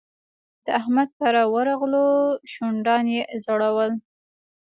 د احمد کره ورغلو؛ شونډان يې ځړول.